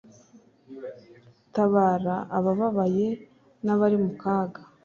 tabara abababaye, n'abari mu kaga